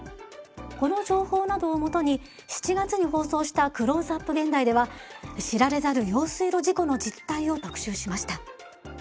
この情報などをもとに７月に放送した「クローズアップ現代」では知られざる用水路事故の実態を特集しました。